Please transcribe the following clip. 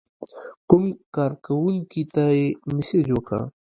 کوم کارکونکي ته یې مسیج وکړ.